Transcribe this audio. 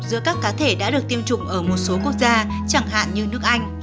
giữa các cá thể đã được tiêm chủng ở một số quốc gia chẳng hạn như nước anh